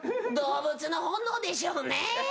動物の本能でしょうねえ。